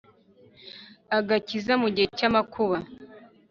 agakiza mu gihe cy amakuba